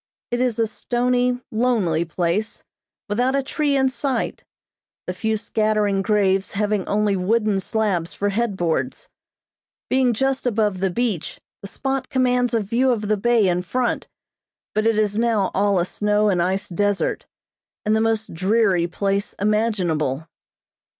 It is a stony, lonely place, without a tree in sight; the few scattering graves having only wooden slabs for head boards. Being just above the beach, the spot commands a view of the bay in front, but it is now all a snow and ice desert, and the most dreary place imaginable.